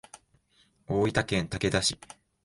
大分県竹田市